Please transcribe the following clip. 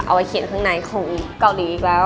เอาไว้เขียนข้างในของเกาหลีอีกแล้ว